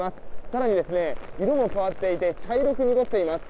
更に、色も変わっていて茶色く濁っています。